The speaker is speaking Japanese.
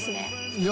いや。